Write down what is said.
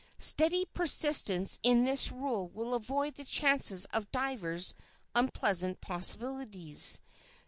Steady persistence in this rule will avoid the chances of divers unpleasant possibilities.